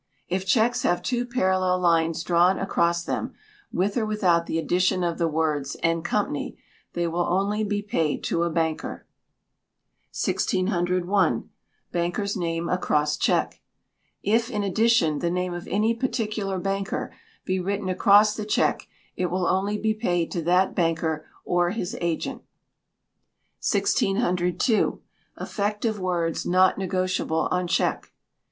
If cheques have two parallel lines drawn across them, with or without the addition of the words "& Co.," they will only be paid to a banker. 1601. Banker's Name across Cheque. If, in addition, the name of any particular banker be written across the cheque, it will only be paid to that banker or his agent. 1602. Effect of Words "Not Negotiable" on Cheque.